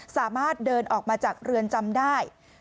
สามารถเดินออกมาจากเรือนจำได้